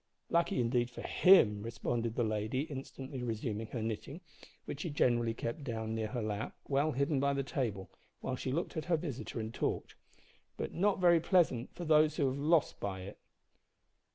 "Lucky indeed for him," responded the lady, instantly resuming her knitting, which she generally kept down near her lap, well hidden by the table, while she looked at her visitor and talked, "but not very pleasant for those who have lost by it."